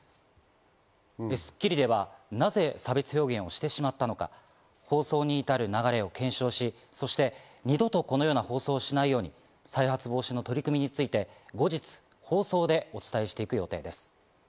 『スッキリ』ではなぜ差別表現をしてしまったのか、放送に至る流れを検証し、そして二度とこのような放送をしないように再発防止の取り組みについて後日放送でお伝えしていく予定です。